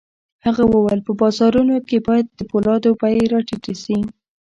هغه وویل په بازارونو کې باید د پولادو بيې را ټیټې شي